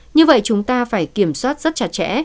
như vậy chúng ta phải kiểm soát rất chặt chẽ